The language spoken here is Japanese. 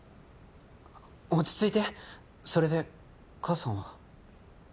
落ち着いてそれで母さんは？